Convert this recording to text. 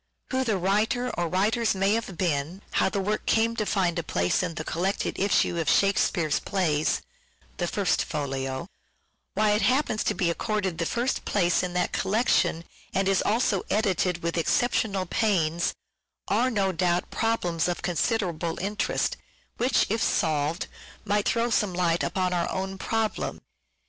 Who the writer or writers may have been, how the work came to find a place in the collected issue of Shakespeare's plays (the First Folio), why it happens to be accorded the first place in that collection and is also edited with exceptional pains, are, no doubt, problems of consider 34 530 "SHAKESPEARE" IDENTIFIED able interest, which, if solved, might throw some light upon our own problem.